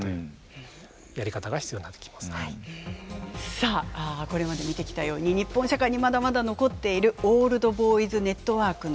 さあこれまで見てきたように日本社会にまだまだ残っているオールド・ボーイズ・ネットワークの壁。